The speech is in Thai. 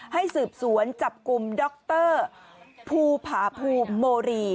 ให้สืบสวนจับกลุ่มด็อกเตอร์ภูผาพูมโมรี